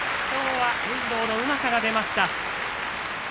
きょうは遠藤のうまさが出ました。